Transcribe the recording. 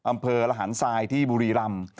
อำเภอระหารทรายที่บุรีรำ